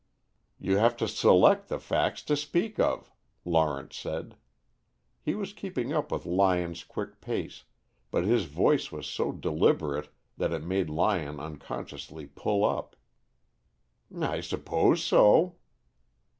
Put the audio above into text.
"You have to select the facts to speak of," Lawrence said. He was keeping up with Lyon's quick pace, but his voice was so deliberate that it made Lyon unconsciously pull up. "I suppose so."